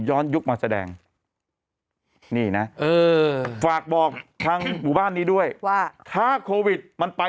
ยุคมาแสดงนี่นะเออฝากบอกทางหมู่บ้านนี้ด้วยว่าถ้าโควิดมันไป